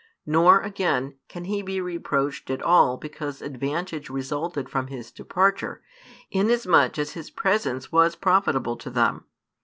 Nor, again, can He be reproached at all because advantage resulted from His departure, inasmuch as His Presence was profitable to them.